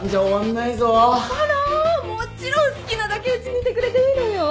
あらもちろん好きなだけうちにいてくれていいのよ。